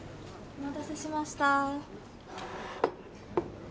お待たせしました。